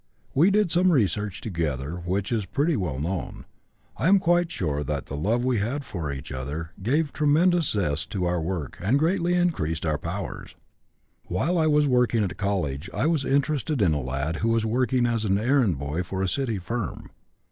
We did some research work together which is pretty well known. I am quite sure that the love we had for each other gave tremendous zest to our work and greatly increased our powers. "While I was working at college I was interested in a lad who was working as errand boy for a city firm.